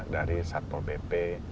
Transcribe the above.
dari satpol bp